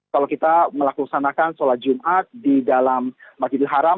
kalau kita melaksanakan sholat jumat di dalam masjidil haram